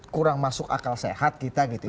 kurang masuk akal sehat kita gitu ya